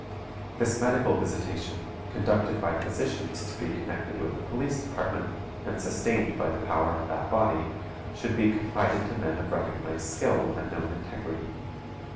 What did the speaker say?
This medical visitation, conducted by physicians to be connected with the Police Department, and sustained by the power of that body, should be confided to men of recognized skill and known integrity.